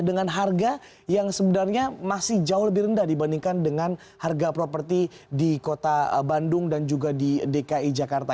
dengan harga yang sebenarnya masih jauh lebih rendah dibandingkan dengan harga properti di kota bandung dan juga di dki jakarta